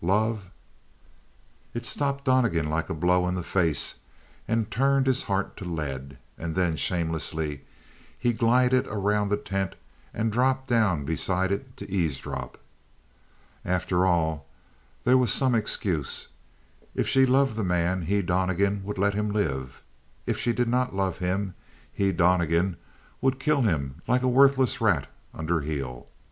Love? It stopped Donnegan like a blow in the face and turned his heart to lead; and then, shamelessly, he glided around the tent and dropped down beside it to eavesdrop. After all, there was some excuse. If she loved the man he, Donnegan, would let him live; if she did not love him, he, Donnegan, would kill him like a worthless rat under heel.